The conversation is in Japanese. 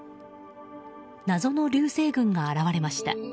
謎の流星群が現れました。